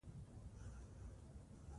افغانستان په نمک باندې تکیه لري.